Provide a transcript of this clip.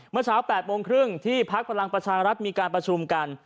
เมื่อเช้า๘โมงครึ่งที่พักพลังประชารัฐมีการประชุมกัน